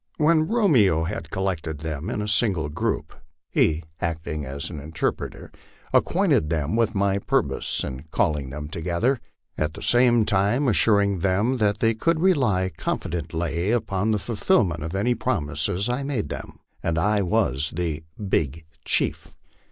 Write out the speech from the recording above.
When Romeo had collected them in a single group, he, acting as interpreter, ac quainted them with my purpose in calling them together, at the same time as suring them that they could rely confidently upon the fulfilment of any prom ises I made them, as I was the " big chief."